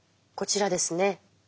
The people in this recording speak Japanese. こちらですね。